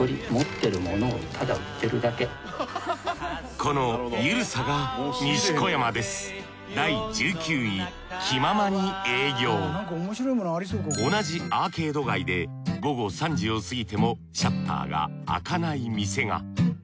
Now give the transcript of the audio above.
このゆるさが西小山です同じアーケード街で午後３時を過ぎてもシャッターが開かない店が。